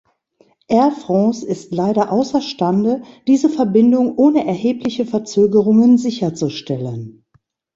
Air France ist leider außerstande, diese Verbindung ohne erhebliche Verzögerungen sicherzustellen.